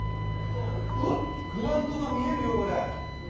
うわっ、グラウンドが見えるよ、これ。